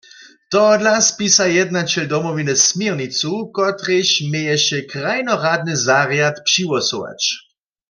Tohodla spisa jednaćel Domowiny směrnicu, kotrejž měješe krajnoradny zarjad přihłosować.